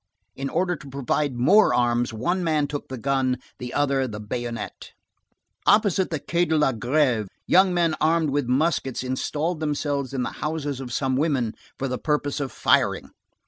In order to provide more arms, one man took the gun, the other the bayonet. Opposite the Quai de la Grève, young men armed with muskets installed themselves in the houses of some women for the purpose of firing.